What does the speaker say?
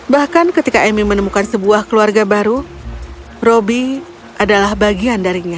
bahkan ketika emi menemukan sebuah keluarga baru robby adalah bagian darinya